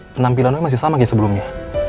penampilannya masih sama kayak sebelumnya